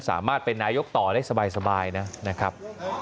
สามารถเป็นนายกต่อได้สบายนะครับ